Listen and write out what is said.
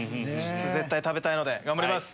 絶対食べたいので頑張ります！